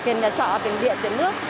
tiền nhà trọ tiền điện tiền nước